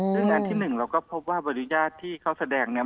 ดังนั้นที่หนึ่งเราก็พบว่าบริญญาติที่เขาแสดงนี่